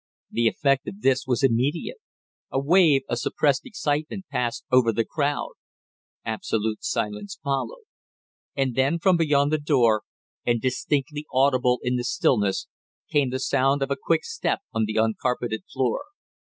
The effect of this was immediate. A wave of suppressed excitement passed over the crowd; absolute silence followed; and then from beyond the door, and distinctly audible in the stillness, came the sound of a quick step on the uncarpeted floor.